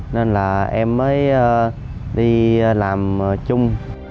nên là em mới đi làm chung